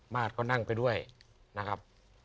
สก็นั่งไปด้วยนะครับ